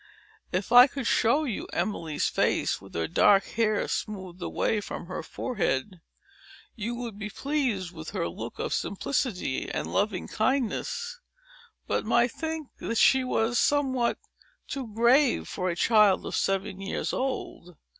If I could show you Emily's face, with her dark hair smoothed away from her forehead, you would be pleased with her look of simplicity and loving kindness, but might think that she was somewhat too grave for a child of seven years old.